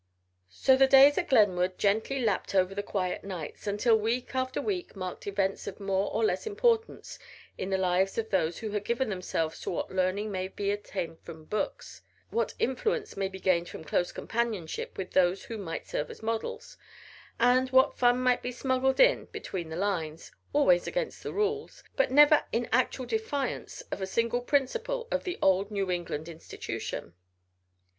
So the days at Glenwood gently lapped over the quiet nights, until week after week marked events of more or less importance in the lives of those who had given themselves to what learning may be obtained from books; what influence may be gained from close companionship with those who might serve as models; and what fun might be smuggled in between the lines, always against the rules, but never in actual defiance of a single principle of the old New England institution.